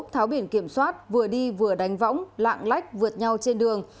tháo biển kiểm soát vừa đi vừa đánh võng lạng lách vượt nhau trên đường